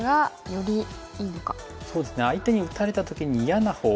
相手に打たれた時に嫌なほう。